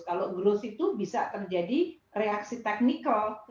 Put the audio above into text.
kalau growth itu bisa terjadi reaksi teknikal